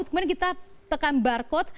kemudian kita tekan barcode